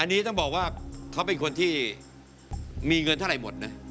เขาเป็นคนที่มีเงินเท่าไหร่หมดนะ